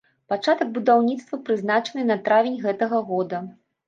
Пачатак будаўніцтва прызначаны на травень гэтага года.